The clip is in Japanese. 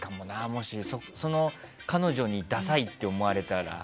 もし、彼女にダサいって思われたら。